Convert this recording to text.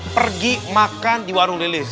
pergi makan di warung lilis